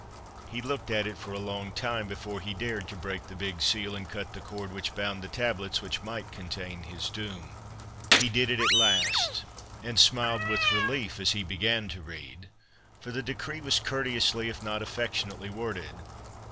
He looked at it for a long time before he dared to break the big seal, and cut the cord which bound the tablets which might contain his doom. He did it at last; and smiled with relief as he began to read: for the decree was courteously, if not affectionately, worded.